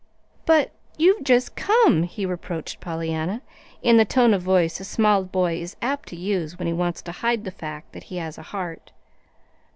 "But you've just come," he reproached Pollyanna, in the tone of voice a small boy is apt to use when he wants to hide the fact that he has a heart.